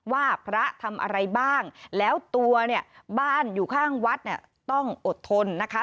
ว่าพระทำอะไรบ้างแล้วตัวเนี่ยบ้านอยู่ข้างวัดเนี่ยต้องอดทนนะคะ